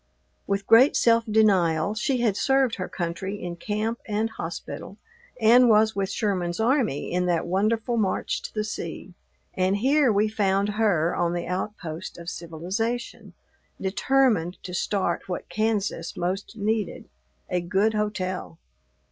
With great self denial she had served her country in camp and hospital, and was with Sherman's army in that wonderful march to the sea, and here we found her on the outpost of civilization, determined to start what Kansas most needed a good hotel.